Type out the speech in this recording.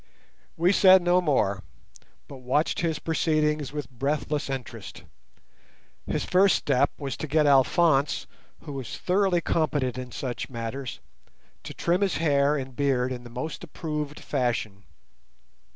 We said no more, but watched his proceedings with breathless interest. His first step was to get Alphonse, who was thoroughly competent in such matters, to trim his hair and beard in the most approved fashion.